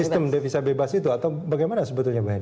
sistem devisa bebas itu atau bagaimana sebetulnya mbak hend